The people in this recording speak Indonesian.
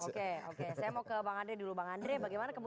saya mau ke bang andre dulu